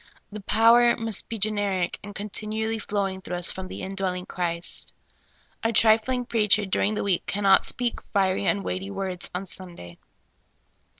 The power must be generic, and continually flowing through us from the indwelling Christ. A trifling preacher during the week cannot speak fiery and weighty words on Sunday.